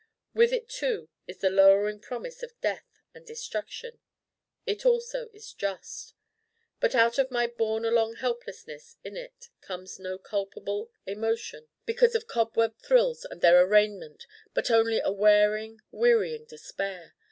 With it too is the lowering promise of death and destruction. It also is just. But out of my borne along helplessness in it comes no culpable emotion because of cobweb thrills and their arraignment but only a wearing wearying despair.